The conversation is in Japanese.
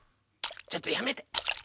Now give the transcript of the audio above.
ちょっとやめてやめて！